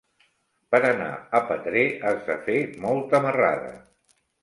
Per anar a Petrer has de fer molta marrada.